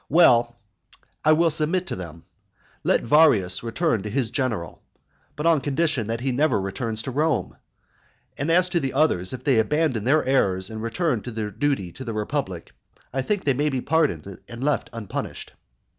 Well, I will submit to them. Let Varius return to his general, but on condition that he never returns to Rome. And as to the others, if they abandon their errors and return to their duty to the republic, I think they may be pardoned and left unpunished.